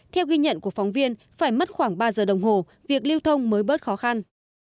theo ghi nhận của phóng viên phải mất khoảng ba giờ đồng hồ việc lưu thông mới bớt khó khăn